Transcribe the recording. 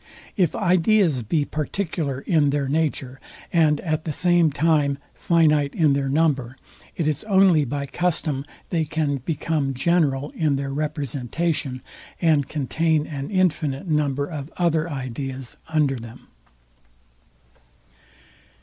If ideas be particular in their nature, and at the same time finite in their number, it is only by custom they can become general in their representation, and contain an infinite number of other ideas under them.